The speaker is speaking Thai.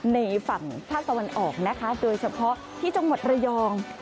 ในฝั่งภาคตะวันออกนะคะโดยเฉพาะที่จังหวัดระยอง